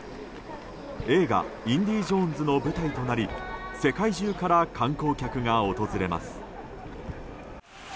映画「インディ・ジョーンズ」の舞台となり世界中から観光客が訪れます。